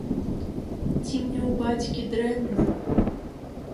Ці мне ў бацькі дрэнна?